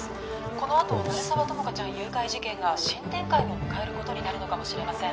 このあと鳴沢友果ちゃん誘拐事件が新展開を迎えることになるのかもしれません